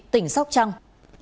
tỉnh sóc trăng